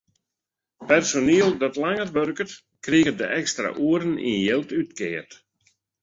Personiel dat langer wurket, kriget de ekstra oeren yn jild útkeard.